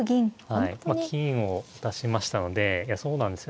はいまあ金を出しましたのでいやそうなんですよね